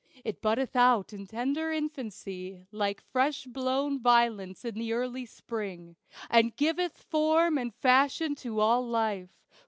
It buddeth out in tender infancy, Like fresh blown violets in the early spring, And giveth form and fashion to all life.